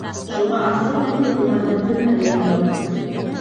Шуға асыу итеп уларҙы төрмәгә ябалар.